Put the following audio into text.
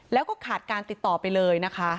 แล้วก็ขาดการติดต่อไปเลยนะคะ